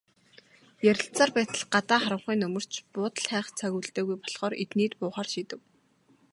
Ярилцсаар байтал гадаа харанхуй нөмөрч, буудал хайх цаг үлдээгүй болохоор эднийд буухаар шийдэв.